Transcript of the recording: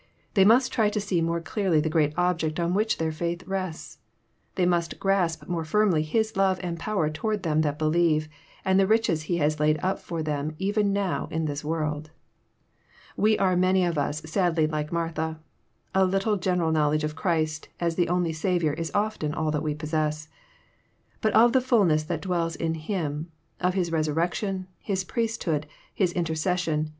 They must try to see more clearly the great object on which their faith rests. tJThey must grasp more firmly His love and power toward them that believe, and the riches He has laid up for them even now in this world. We are many of us sadly like Martha. A little general knowledge of Christ as the only Saviour is often all that we possess. But ofjjie fulness that dwells in Him, of His resurrection, His priesthood. His interces* sion.